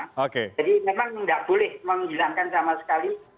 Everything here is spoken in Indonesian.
jadi memang nggak boleh menghilangkan sama sekali